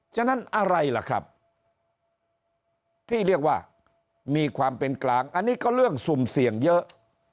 ฉะนั้นอะไรล่ะครับที่เรียกว่ามีความเป็นกลางอันนี้ก็เรื่องสุ่มเสี่ยงเยอะ